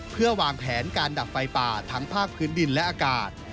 เพื่อวางแผนการดับไฟป่าทั้งภาคพื้นดินและอากาศ